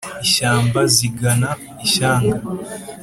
ishyamba zigana ishyanga